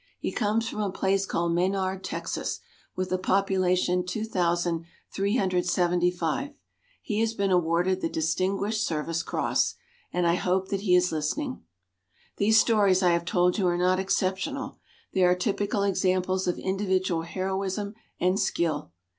He comes from a place called Menard, Texas with a population 2,375. He has been awarded the Distinguished Service Cross. And I hope that he is listening. These stories I have told you are not exceptional. They are typical examples of individual heroism and skill.